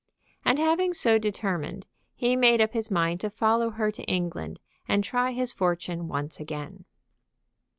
And having so determined, he made up his mind to follow her to England and to try his fortune once again.